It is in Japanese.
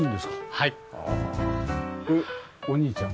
はい。